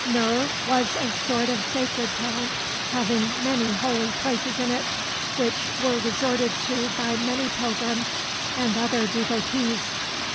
Nur was a sort of sacred town, having many holy places in it which were resorted to by many pilgrims and other devotees.